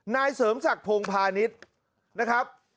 นายเสริมศักดิ์พงพาณิชย์นะครับ